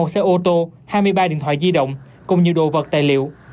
một xe ô tô hai mươi ba điện thoại di động cùng nhiều đồ vật tài liệu